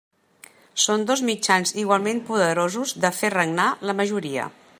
Són dos mitjans igualment poderosos de fer regnar la majoria.